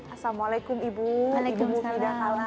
assalamualaikum ibu ibu mufidakala